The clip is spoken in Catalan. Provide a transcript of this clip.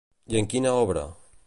I en quina obra?